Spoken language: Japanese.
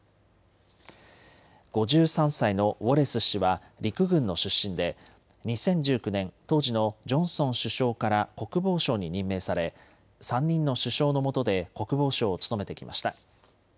５３歳のウォレス氏は陸軍の出身で２０１９年、当時のジョンソン首相から国防相に任命され３人の首相のもとで国防相を務めてきました。